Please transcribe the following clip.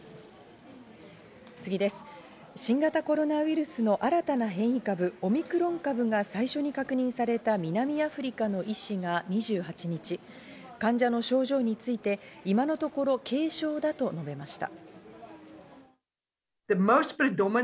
新型コロナウイルスの新たな変異株・オミクロン株が最初に確認された南アフリカの医師が２８日、患者の症状について今のところ軽症だと述べました。